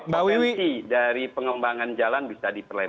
bahwa potensi dari pengembangan jalan bisa diperlengkapi